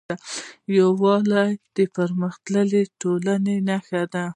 یووالی د پرمختللې ټولنې نښه ده.